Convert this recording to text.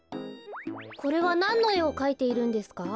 これはなんのえをかいているんですか？